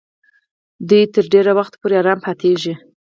دوی تر ډېر وخت پورې آرام پاتېږي.